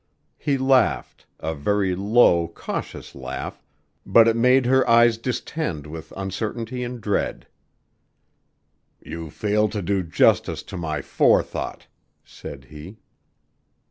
He laughed, a very low, cautious laugh, but it made her eyes distend with uncertainty and dread. "You fail to do justice to my forethought," said he.